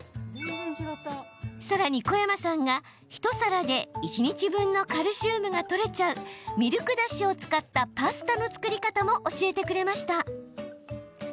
さらに小山さんが、１皿で一日分のカルシウムがとれちゃうミルクだしを使ったパスタの作り方も教えてくれました。